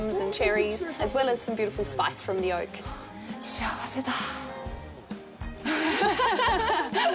幸せだ。